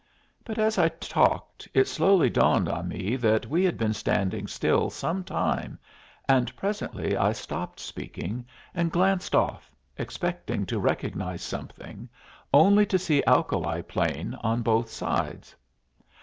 But as I talked it slowly dawned on me that we had been standing still some time, and presently I stopped speaking and glanced off, expecting to recognize something, only to see alkali plain on both sides.